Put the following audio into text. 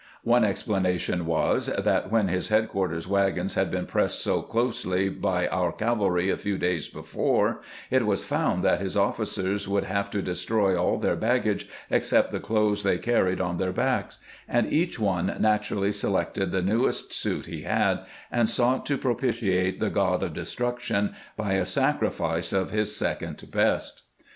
One explanation was that when his headquarters wagons had been pressed so closely by our cavalry a few days before, it was found that his officers would have to destroy all their baggage, except the clothes they carried on their backs ; and each one natu rally selected the newest suit he had, and sought to BRIEF DISCUSSION AS TO THE TERMS OF SURRENDER 475 propitiate the god of destruction by a sacrifice of his second best.